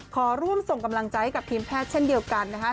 ขอร่วมส่งกำลังใจให้กับทีมแพทย์เช่นเดียวกันนะคะ